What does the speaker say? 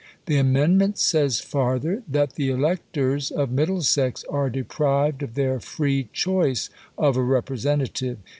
The amendment says farther, that the electors of Middlesex are deprived of their free choice of a representative.